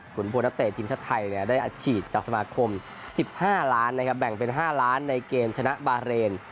ขุนภูนาเตะทีมชะไทยเนี่ยได้อัดฉีดจากสมาคม๑๕ล้านนะครับแบ่งเป็น๕ล้านในเกมชนะบาเรน